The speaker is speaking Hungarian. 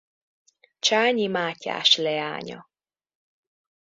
Csányi Mátyás leánya.